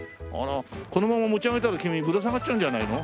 このまま持ち上げたら君ぶら下がっちゃうんじゃないの？